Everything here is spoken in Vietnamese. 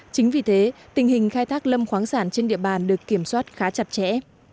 chính vì thế tình hình khai thác lâm khoáng sản trên địa bàn được kiểm soát khá chặt chẽ